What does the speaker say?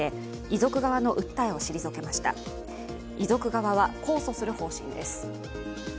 遺族側は控訴する方針です。